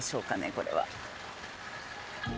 これは？